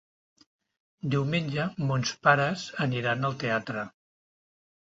Diumenge mons pares aniran al teatre.